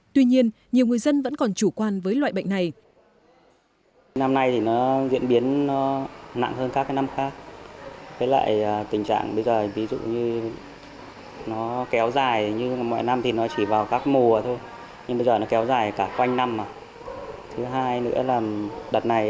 tuy nhiên nhiều người dân vẫn còn chủ quan với loại bệnh này